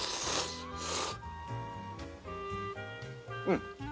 うん。